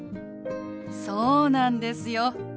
そうなんですよ。